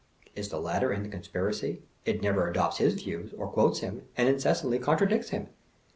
(Is the latter in the con spiracy? It never adopts his views, or quotes him, and incessantly contradicts him.)